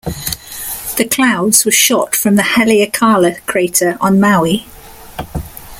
The clouds were shot from the Haleakala Crater on Maui.